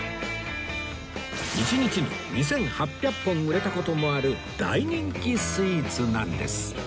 １日に２８００本売れた事もある大人気スイーツなんです